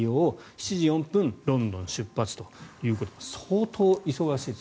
７時４分ロンドン出発ということで相当忙しいです。